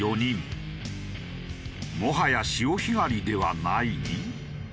もはや潮干狩りではない？